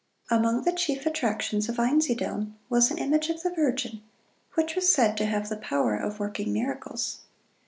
Among the chief attractions of Einsiedeln was an image of the Virgin which was said to have the power of working miracles.